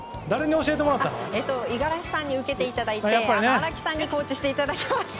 五十嵐さんに受けていただいて荒木さんにｓコーチしていただきました。